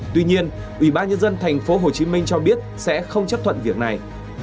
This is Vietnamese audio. tuy nhiên ủy ban nhân dân thành phố hồ chí minh cho biết sẽ không chấp thuận việc này